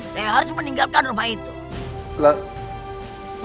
saya harus meninggalkan rumah itu